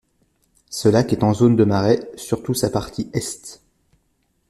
Ce lac est en zone de marais, surtout sa partie Est.